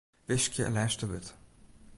Wiskje lêste wurd.